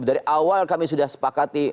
dari awal kami sudah sepakati